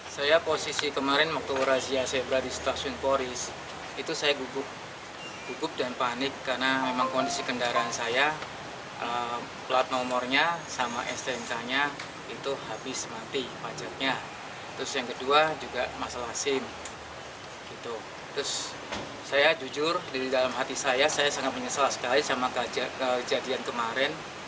saya jujur di dalam hati saya saya sangat menyesal sekali sama kejadian kemarin